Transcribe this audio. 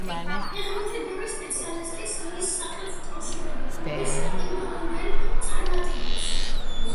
ფეხბურთის ბევრი სპეციალისტი მის სახელს უკავშირებს კლუბის იმდროინდელ წარმატებებს.